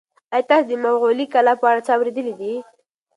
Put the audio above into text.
ایا تاسي د مغولي کلا په اړه څه اورېدلي دي؟